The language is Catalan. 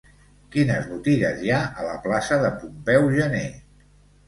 Quines botigues hi ha a la plaça de Pompeu Gener?